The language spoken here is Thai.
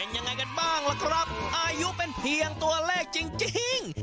ยังไงกันบ้างล่ะครับอายุเป็นเพียงตัวเลขจริงจริง